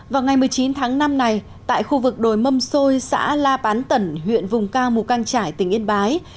vào ngày một mươi chín tháng năm này tại khu vực đồi mâm xôi xã la bán tẩn huyện vùng cao mù căng trải tỉnh yên bái